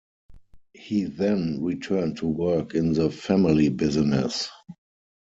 He then returned to work in the family business.